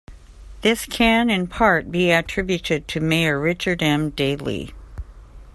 This can, in part, be attributed to mayor Richard M. Daley.